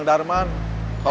oke saya sudah datang